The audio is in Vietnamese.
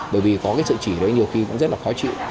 bởi vì có cái sự chỉ đấy nhiều khi cũng rất là khó chịu